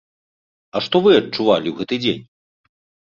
А што вы адчувалі ў гэты дзень?